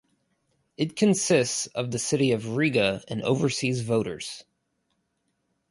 It consists of the city of Riga and overseas voters.